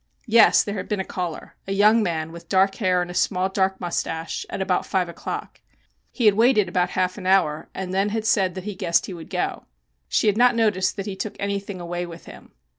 Yes, there had been a caller a young man with dark hair and a small, dark mustache at about five o'clock. He had waited about half an hour and then had said that he guessed he would go. She had not noticed that he took anything away with him.